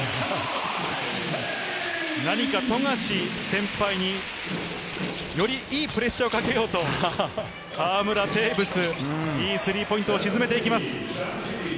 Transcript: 何か富樫先輩により、いいプレッシャーをかけようと、河村、テーブス、いいスリーポイントを沈めていきます。